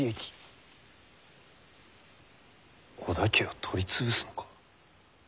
織田家を取り潰すのか？